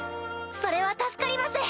それは助かります！